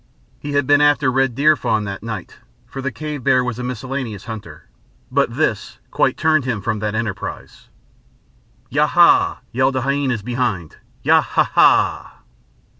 He had been after red deer fawn that night, for the cave bear was a miscellaneous hunter, but this quite turned him from that enterprise. "Ya ha!" yelled the hyænas behind. "Ya ha ha!"